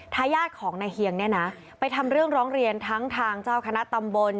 ทายาทของนายเฮียงเนี่ยนะไปทำเรื่องร้องเรียนทั้งทางเจ้าคณะตำบล